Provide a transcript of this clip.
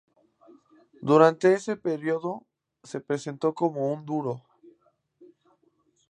Durante ese período se presentó como un "duro".